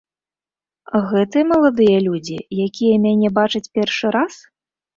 Гэтыя маладыя людзі, якія мяне бачаць першы раз?